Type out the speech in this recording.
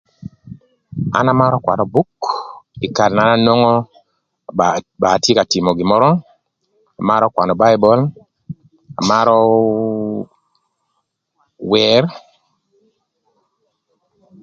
An amarö kwanö buk ï karë na nwongo ba ba atye ka tïmö gin mörö, amarö kwanö baibul, amarö wer.